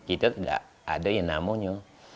kita tidak ada yang namanya